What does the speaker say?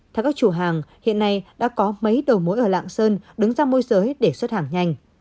theo các chủ hàng hiện nay đã có mấy đầu mối ở lạng sơn đứng ra môi giới để xuất hàng nhanh